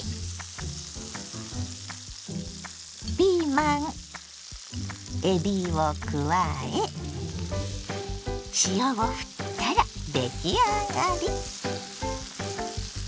ピーマンえびを加え塩をふったら出来上がり。